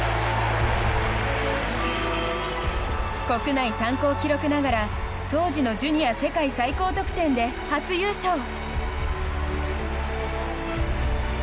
国内参考記録ながら当時のジュニア世界最高得点で初優勝！